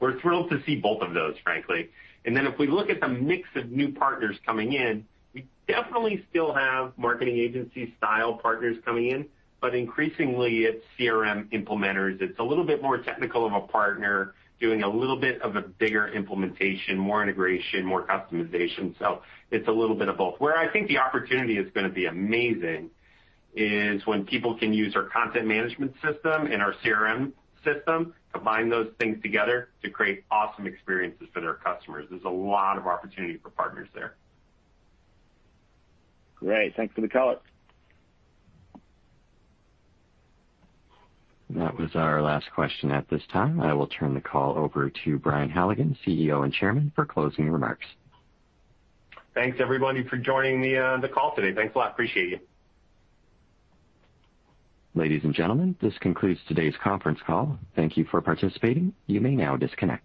We're thrilled to see both of those, frankly. If we look at the mix of new partners coming in, we definitely still have marketing agency-style partners coming in, but increasingly, it's CRM implementers. It's a little bit more technical of a partner doing a little bit of a bigger implementation, more integration, more customization. It's a little bit of both. Where I think the opportunity is going to be amazing is when people can use our content management system and our CRM system, combine those things together to create awesome experiences for their customers. There's a lot of opportunity for partners there. Great. Thanks for the color. That was our last question at this time. I will turn the call over to Brian Halligan, CEO and Chairman, for closing remarks. Thanks everybody for joining the call today. Thanks a lot. Appreciate you. Ladies and gentlemen, this concludes today's conference call. Thank you for participating. You may now disconnect.